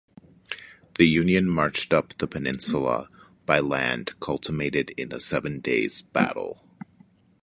The Union march up the Peninsula by land culminated in the Seven Days Battles.